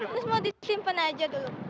terus mau disimpan aja dulu